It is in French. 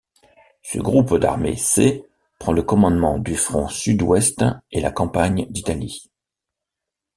Ce groupe d'armées C prend le commandement du front sud-ouest et la campagne d'Italie.